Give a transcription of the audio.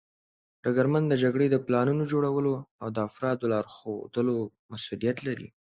ډګرمن د جګړې د پلانونو جوړولو او د افرادو لارښودلو مسوولیت لري.